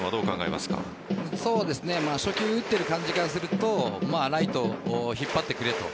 初球を打っている感じからするとライト引っ張ってくれと。